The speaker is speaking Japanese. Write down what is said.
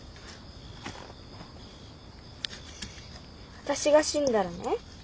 私が死んだらね